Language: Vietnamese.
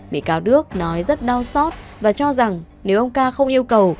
bị cáo đức nói rất đau xót và cho rằng nếu ông ca không yêu cầu